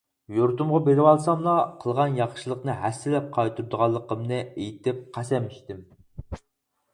يۇرتۇمغا بېرىۋالساملا قىلغان ياخشىلىقىنى ھەسسىلەپ قايتۇرىدىغانلىقىمنى ئېيتىپ قەسەم ئىچتىم.